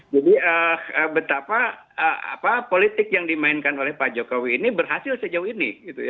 jadi betapa politik yang dimainkan oleh pak jokowi ini berhasil sejauh ini